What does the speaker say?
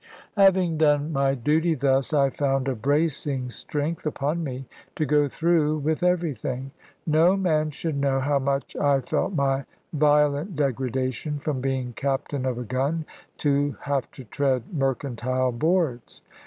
Having done my duty thus, I found a bracing strength upon me to go through with everything. No man should know how much I felt my violent degradation from being captain of a gun, to have to tread mercantile boards!